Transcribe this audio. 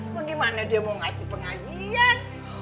bagaimana dia mau ngasih pengajian